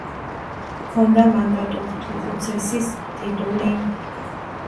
ჰქონდა მანდატურთუხუცესის ტიტული.